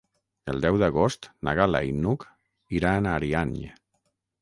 El deu d'agost na Gal·la i n'Hug iran a Ariany.